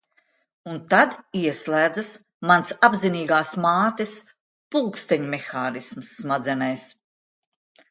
Un tad ieslēdzas mans apzinīgās mātes pulksteņmehānisms smadzenēs.